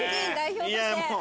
いやぁもう。